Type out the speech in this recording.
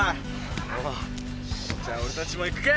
じゃあ俺たちもいくか！